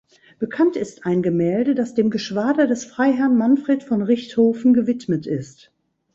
Bekannt ist ein Gemälde, das dem Geschwader des Freiherrn Manfred von Richthofen gewidmet ist.